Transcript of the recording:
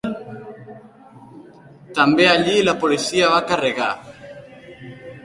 També allí la policia va carregar.